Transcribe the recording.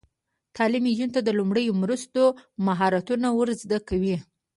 تعلیم نجونو ته د لومړنیو مرستو مهارتونه ور زده کوي.